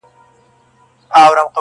نه مي کوئ گراني، خو ستا لپاره کيږي ژوند.